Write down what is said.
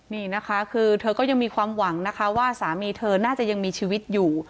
นี่นะคะคือเธอก็ยังมีความหวังนะคะว่าสามีเธอน่าจะยังมีชีวิตอยู่